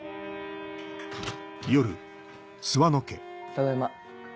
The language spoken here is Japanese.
ただいま。